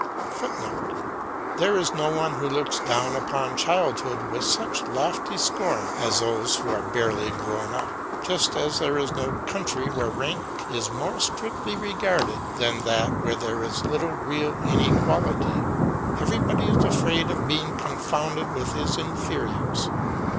[Footnote: There is no one who looks down upon childhood with such lofty scorn as those who are barely grown up; just as there is no country where rank is more strictly regarded than that where there is little real inequality; everybody is afraid of being confounded with his inferiors.